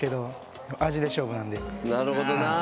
なるほどな！